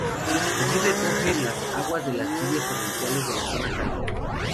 Allí recoge las aguas de las lluvias torrenciales de la zona cálida.